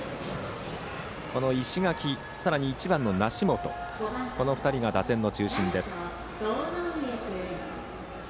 石垣、さらに１番の梨本の２人が打線の中心です。